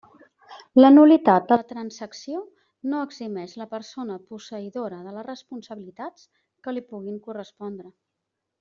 La nul·litat de la transacció no eximeix la persona posseïdora de les responsabilitats que li puguin correspondre.